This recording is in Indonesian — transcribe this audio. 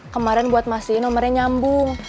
kemarin buat mastiin nomernya nyambung